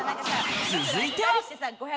続いては。